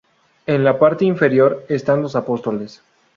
En la parte inferior están los apóstoles.